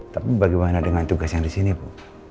tapi bagaimana dengan tugas yang di sini bu